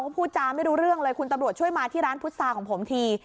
พูดจาไม่รู้เรื่องเลยคุณตำรวจช่วยมาที่ร้านพุษาของผมที